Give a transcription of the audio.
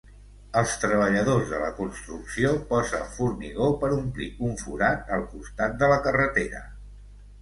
Els treballadors de la construcció posen formigó per omplir un forat al costat de la carretera.